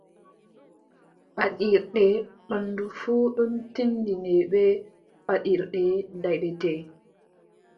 Paddirɗe ɓanndu fuu ɗon tinndine bee : Paddirɗe daydetee.